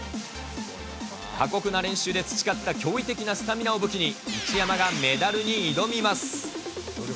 過酷な練習で培った驚異的なスタミナを武器に、一山がメダルに挑みます。